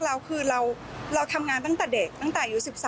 เราคือเราทำงานตั้งแต่เด็กตั้งแต่อายุ๑๓